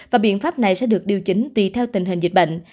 và biện pháp này sẽ được điều chỉnh tùy theo tình hình dịch bệnh